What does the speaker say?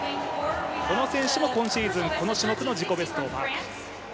この選手も今シーズン、この種目の自己ベストをマーク。